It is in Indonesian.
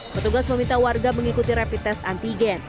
petugas meminta warga mengikuti rempites antigen